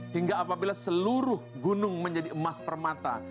hingga apabila seluruh gunung menjadi emas permata